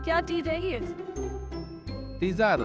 リザード。